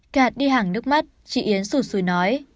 cạt đi hàng nước mắt chị yến sủ sùi nói